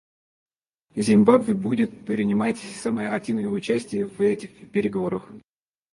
Зимбабве будет принимать самое активное участие в этих переговорах.